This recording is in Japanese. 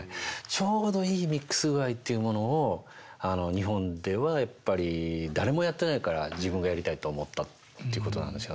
ちょうどいいミックス具合っていうものを日本ではやっぱり誰もやってないから自分がやりたいと思ったっていうことなんですよね。